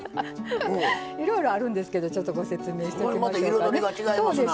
いろいろあるんですけどご説明していきましょうかね。